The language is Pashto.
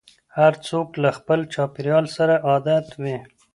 هر څوک له خپل چاپېريال سره عادت وي.